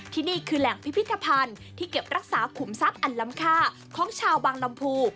นี่คือแหล่งพิพิธภัณฑ์ที่เก็บรักษาขุมทรัพย์อันล้ำค่าของชาวบางลำพู